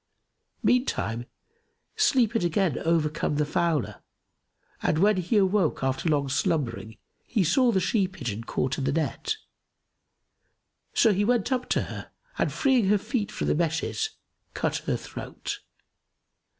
Meantime, sleep had again overcome the fowler; and, when he awoke after long slumbering, he saw the she pigeon caught in the net; so he went up to her and freeing her feet from the meshes, cut her throat.